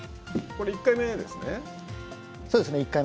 そうですね。